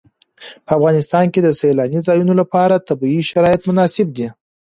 په افغانستان کې د سیلانی ځایونه لپاره طبیعي شرایط مناسب دي.